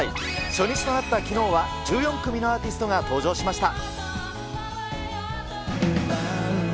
初日となったきのうは、１４組のアーティストが登場しました。